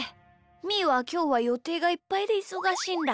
みーはきょうはよていがいっぱいでいそがしいんだ。